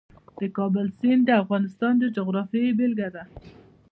د کابل سیند د افغانستان د جغرافیې بېلګه ده.